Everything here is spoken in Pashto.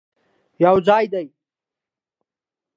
یوځای دې،